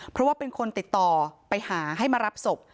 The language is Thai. เพราะว่าเป็นคนติดต่อไปหาให้มารับศพ